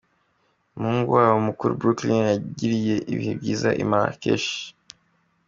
Natangiranye nabo ubwo bari bakiri mu mashuri makuru.